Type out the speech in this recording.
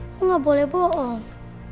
aku gak boleh bohong